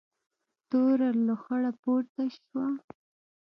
توره لوخړه پورته شوه.